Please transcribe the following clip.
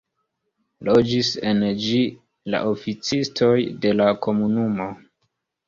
Loĝis en ĝi la oficistoj de la komunumo.